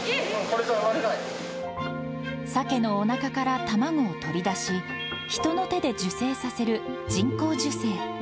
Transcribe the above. サケのおなかから卵を取り出し、人の手で受精させる人工授精。